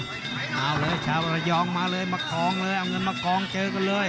เอาเลยชาวระยองมาเลยมากองเลยเอาเงินมากองเจอกันเลย